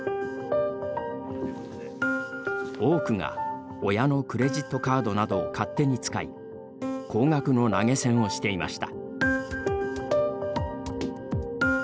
多くが親のクレジットカードなどを勝手に使い高額の投げ銭をしていました。